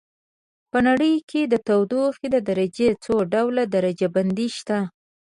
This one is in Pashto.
په نړۍ کې د تودوخې د درجې څو ډول درجه بندي شته.